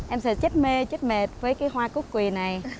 em sẽ chết mê chết mệt với cái hoa cúc quỳ này